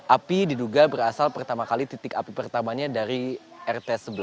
api diduga berasal pertama kali titik api pertamanya dari rt sebelas